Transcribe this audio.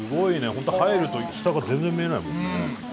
ほんと入ると下が全然見えないもんね。